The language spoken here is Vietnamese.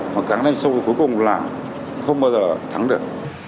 mà càng đánh sâu thì cuối cùng là không bao giờ thắng được